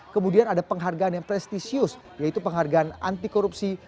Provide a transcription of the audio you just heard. kemudian ada penghargaan yang prestisius yaitu penghargaan anti korupsi